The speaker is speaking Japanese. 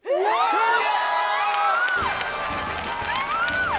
すごい！